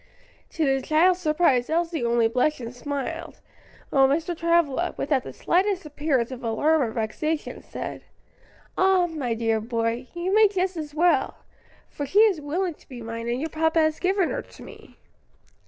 To the child's surprise Elsie only blushed and smiled, while Mr. Travilla, without the slightest appearance of alarm or vexation, said, "Ah, my dear boy, you may just as well; for she is willing to be mine and your papa has given her to me."